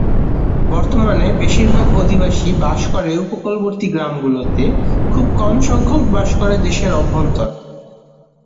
বর্তমানে বেশির ভাগ অধিবাসী বাস করে উপকূলবর্তী গ্রামগুলোতে, খুব কম সংখ্যক বাস করে দেশের অভ্যন্তরে।